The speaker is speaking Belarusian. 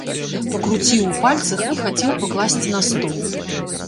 Пакруціў у пальцах і хацеў пакласці на стол.